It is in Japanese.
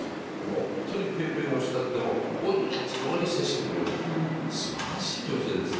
本当にペーペーの人たちでも同じように接してくれるすばらしい女性ですね。